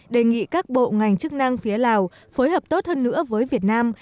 đề nghị các bộ ngành chức năng phía lào phối hợp tốt hơn nữa với việt nam